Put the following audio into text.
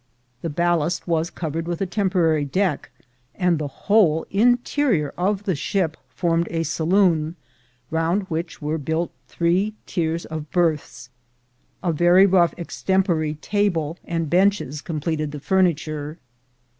The ballast was covered with a temporary deck, and the whole inte rior of the ship formed a saloon, round which were built three tiers of berths: a very rough extempore table and benches completed the furniture.